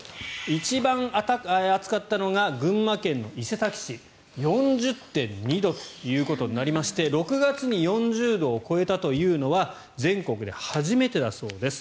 一番暑かったのが群馬県伊勢崎市４０．２度となりまして６月に４０度を超えたというのは全国で初めてだそうです。